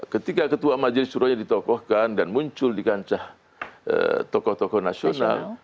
ketika ketua majelis suruhnya ditokohkan dan muncul di kancah tokoh tokoh nasional